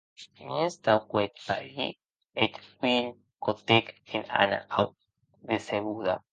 Mès, tau qu'eth pair, eth hilh costèc en Anna ua decebuda.